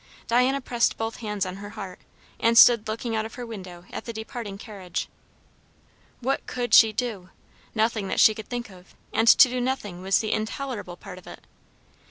Diana pressed both hands on her heart, and stood looking out of her window at the departing carriage. What could she do? Nothing that she could think of, and to do nothing was the intolerable part of it.